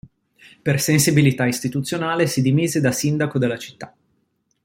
Per sensibilità istituzionale, si dimise da Sindaco della città.